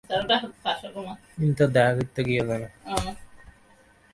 তিনি কলকাতা ও মফস্বলের গানের অনুষ্ঠানে সঙ্গীত পরিবেশন করতে শুরু করেন।